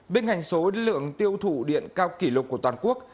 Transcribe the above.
bên hành số lượng tiêu thụ điện cao kỷ lục của toàn quốc